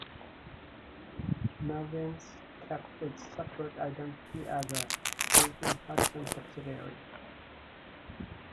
Mervyn's kept its separate identity as a Dayton Hudson subsidiary.